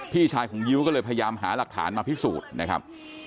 พี่ชายของยิ้วก็เลยพยายามหาหลักฐานมาพิสูจน์นะครับ